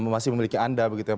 masih memiliki anda begitu ya